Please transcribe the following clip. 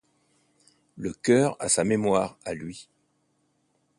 Le cœur a sa mémoire à lui.